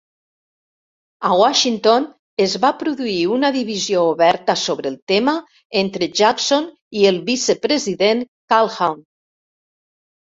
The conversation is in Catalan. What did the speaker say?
A Washington, es va produir una divisió oberta sobre el tema entre Jackson i el vicepresident Calhoun.